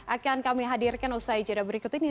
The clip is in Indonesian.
akan kami hadirkan usai jeda berikut ini